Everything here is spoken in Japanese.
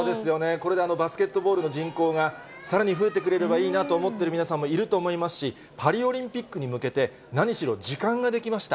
これでバスケットボールの人口がさらに増えてくれればいいなと思っている皆さんもいると思いますし、パリオリンピックに向けて、何しろ、時間ができました。